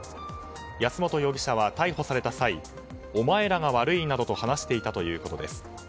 安本容疑者は逮捕された際お前らが悪いなどと話していたということです。